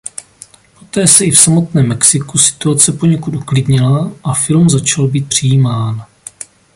Poté se i v samotném Mexiku situace poněkud uklidnila a film začal být přijímán.